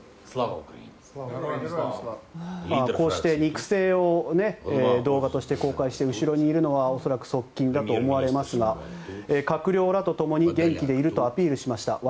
こうして、肉声を動画として公開して後ろにいるのは側近だと思いますが閣僚らとともに元気でいるとアピールしました。